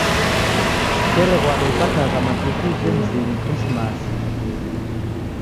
Kerew'ada upatagha matuku uche mzinyi Krisimasi.